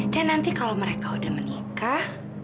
dan nanti kalau mereka udah menikah